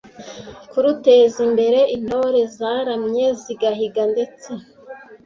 kuruteza imbere, Intore zataramye zigahiga ndetse